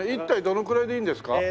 １体どのくらいでいいんですか？